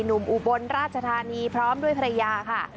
อุบลราชธานีพร้อมด้วยภรรยาค่ะ